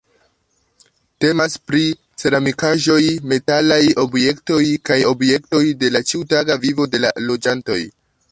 Temas pri ceramikaĵoj, metalaj objektoj kaj objektoj de la ĉiutaga vivo de la loĝantoj.